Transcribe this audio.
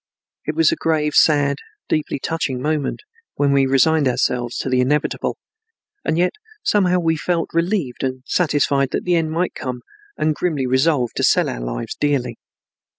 It was a grave, sad, deeply touching moment, when we resigned ourselves to the inevitable, and yet somehow we all felt relieved and satisfied that the end might come and grimly resolved to sell our lives dearly.